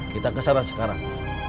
kita kesana sekarang